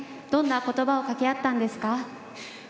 どんな言葉をかけあったんですか？